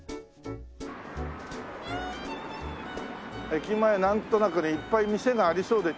駅前なんとなくねいっぱい店がありそうで。